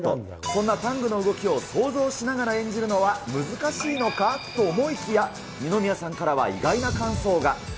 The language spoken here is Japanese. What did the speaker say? そんなタングの動きを想像しながら演じるのは、難しいのか？と思いきや、二宮さんからは意外な感